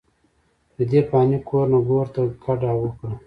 ددې فاني کور نه ګور ته کډه اوکړه،